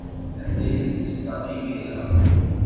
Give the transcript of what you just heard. Anda ay tezdeɣ imir-a?